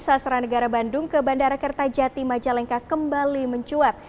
sastra negara bandung ke bandara kertajati majalengka kembali mencuat